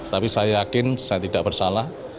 tapi saya yakin saya tidak bersalah